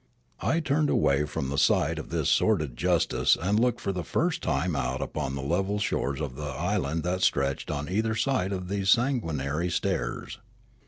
I turned away from the sight of this sordid injustice and looked for the first time out upon the level shores of the island that stretched on either side of these sanguinary stairs.